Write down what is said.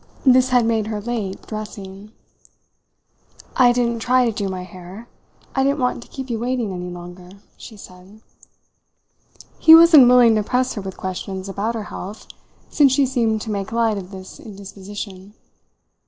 This had made her late dressing. "I didn't try to do my hair. I didn't want to keep you waiting any longer," she said. He was unwilling to press her with questions about her health, since she seemed to make light of this indisposition.